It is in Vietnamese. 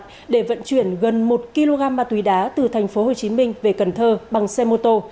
nguyễn văn ninh đã vận chuyển gần một kg ma túy đá từ tp hcm về cần thơ bằng xe mô tô